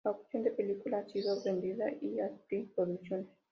La opción de película ha sido vendida a Spitfire Producciones.